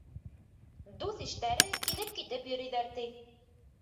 Дуҫ-иштәре килеп-китеп йөрөйҙәр, ти.